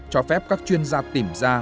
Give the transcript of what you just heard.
cho phép các chuyên gia tìm ra